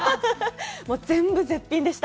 全部絶品でした。